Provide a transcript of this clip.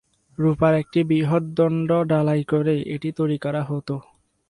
রুপার একটি বৃহৎ দণ্ড ঢালাই করে এটি তৈরি করা হতো।